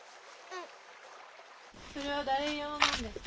それは誰用なんですか？